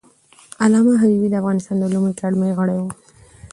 علامه حبیبي د افغانستان د علومو اکاډمۍ غړی و.